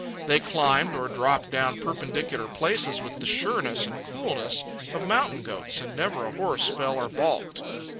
They climbed or dropped down perpendicular places with the sureness and coolness of mountain goats, and never a horse fell or baulked.